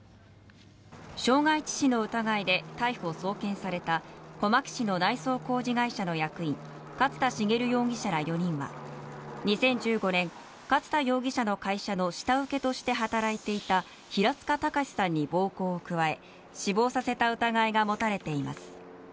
傷害致死の疑いで逮捕・送検された小牧市の内装工事会社の役員勝田茂容疑者ら４人は２０１５年、勝田容疑者の会社の下請けとして働いていた平塚崇さんに暴行を加え死亡させた疑いが持たれています。